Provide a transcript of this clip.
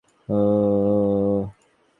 জানতাম না তুই একজন ফ্রেঞ্চ।